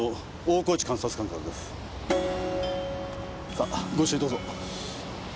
さあご一緒にどうぞ。